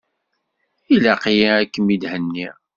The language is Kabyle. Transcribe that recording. Ilaq-yi ad kem-id-henniɣ.